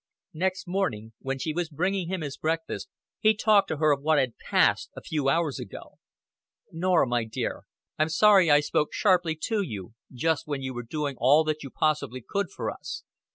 Next morning, when she was bringing him his breakfast, he talked to her of what had "passed a few hours ago." "Norah, my dear, I'm sorry I spoke sharply to you just when you were doing all that you possibly could for us.